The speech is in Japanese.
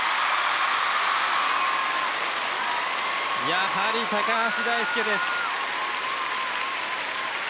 やはり橋大輔です。